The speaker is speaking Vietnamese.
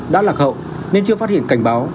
đã lạc hậu nên chưa phát hiện cảnh báo